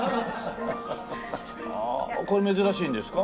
ああこれ珍しいんですか？